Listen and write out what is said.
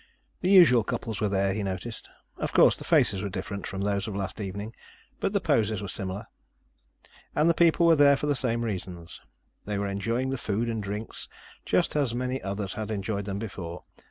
The usual couples were there, he noticed. Of course, the faces were different from those of last evening, but the poses were similar. And the people were there for the same reasons. They were enjoying the food and drinks, just as many others had enjoyed them before.